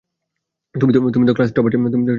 তুমি তো class topper ছিলে।